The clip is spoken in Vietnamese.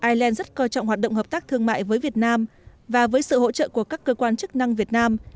ireland rất coi trọng hoạt động hợp tác thương mại với việt nam và với sự hỗ trợ của các cơ quan chức năng việt nam